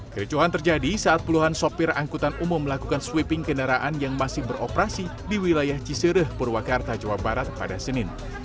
kericuhan terjadi saat puluhan sopir angkutan umum melakukan sweeping kendaraan yang masih beroperasi di wilayah cisereh purwakarta jawa barat pada senin